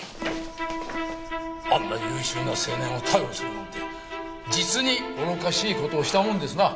あんな優秀な青年を逮捕するなんて実に愚かしい事をしたもんですな。